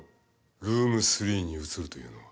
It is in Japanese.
ルーム３に移るというのは。